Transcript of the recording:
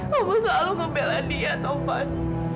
kamu selalu ngebela dia taufan